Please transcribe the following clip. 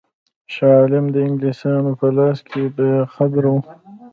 شاه عالم د انګلیسیانو په لاس کې بې قدرته وو.